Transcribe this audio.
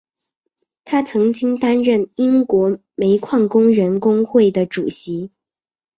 他曾经担任英国煤矿工人工会的主席。